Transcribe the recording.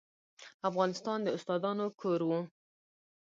افغانستان د استادانو کور و.